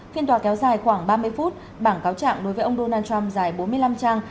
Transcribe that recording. phiên tòa kéo dài khoảng ba mươi phút bảng cáo trạng đối với ông donald trump dài bốn mươi năm trang